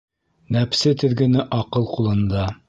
Нәпсе теҙгене аҡыл ҡулында.